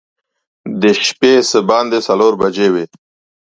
د شپې څه باندې څلور بجې وې.